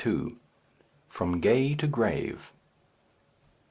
FROM GAY TO GRAVE.